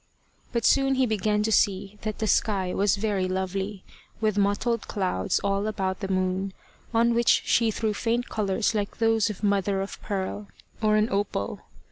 But soon he began to see that the sky was very lovely, with mottled clouds all about the moon, on which she threw faint colours like those of mother of pearl, or an opal.